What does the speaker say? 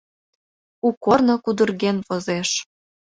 У корно кудырген возеш.